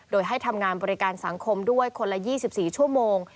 โดยให้ทำงานบริการสังคมด้วยคนละ๒๔ชั่วโมง